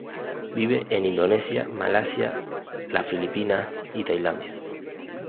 Vive en Indonesia, Malasia, las Filipinas y Tailandia.